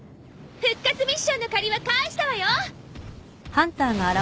復活ミッションの借りは返したわよ。